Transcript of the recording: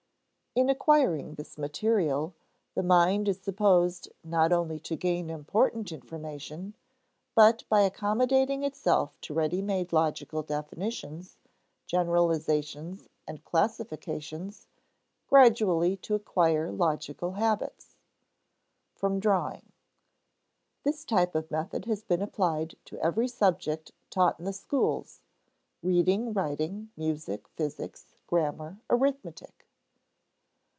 In acquiring this material, the mind is supposed not only to gain important information, but, by accommodating itself to ready made logical definitions, generalizations, and classifications, gradually to acquire logical habits. [Sidenote: from drawing] This type of method has been applied to every subject taught in the schools reading, writing, music, physics, grammar, arithmetic.